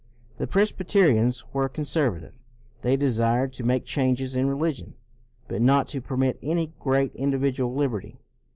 The Presbyterians were conservative. They desired to make changes in religion, but not to permit any great individual liberty.